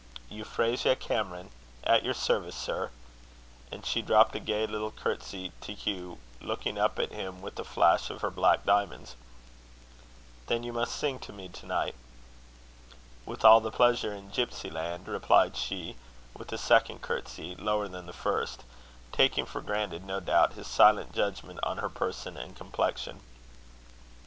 "Euphrasia Cameron; at your service, sir." And she dropped a gay little courtesy to Hugh, looking up at him with a flash of her black diamonds. "Then you must sing to me to night." "With all the pleasure in gipsy land," replied she, with a second courtesy, lower than the first; taking for granted, no doubt, his silent judgment on her person and complexion.